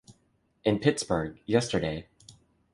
In Pittsburgh, yesterday!